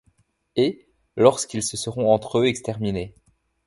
Et, lorsqu'ils se seront entre eux exterminés